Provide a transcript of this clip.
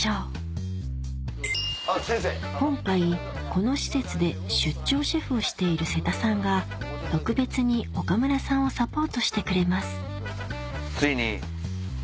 今回この施設で出張シェフをしている瀬田さんが特別に岡村さんをサポートしてくれますついに。